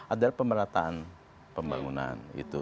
adalah pemerataan pembangunan itu